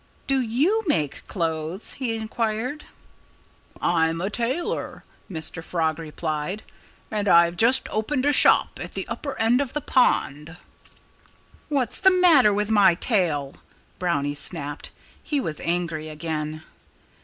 "Do you make clothes?" he inquired. "I'm a tailor," Mr. Frog replied. "And I've just opened a shop at the upper end of the pond." "What's the matter with my tail?" Brownie snapped. He was angry again.